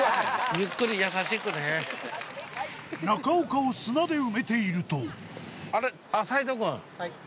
中岡を砂で埋めているとはい。